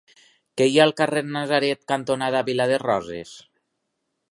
Què hi ha al carrer Natzaret cantonada Vila de Roses?